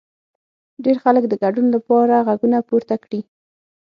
ډېر خلک د ګډون لپاره غږونه پورته کړي.